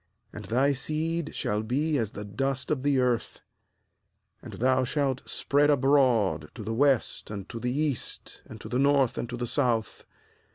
14And thy seed shall be as the dust of the earth, and thou shalt spread abroad to the west, and to the east, and to the north, and to the south.